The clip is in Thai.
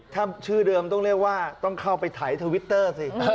ถ้าชื่อเดิมต้องเรียกว่าต้องเข้าไปถ่ายทวิตเตอร์สิ